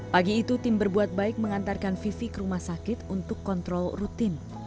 pagi itu tim berbuat baik mengantarkan vivi ke rumah sakit untuk kontrol rutin